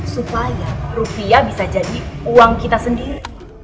supaya rupiah bisa jadi uang kita sendiri